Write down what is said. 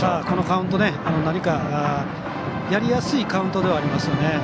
このカウントは何か、やりやすいカウントではありますよね。